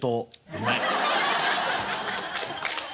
うまい。